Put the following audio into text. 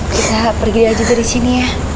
kita pergi aja dari sini ya